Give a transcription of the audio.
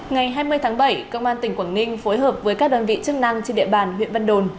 ngày hai mươi tháng bảy công an tỉnh quảng ninh phối hợp với các đơn vị chức năng trên địa bàn huyện vân đồn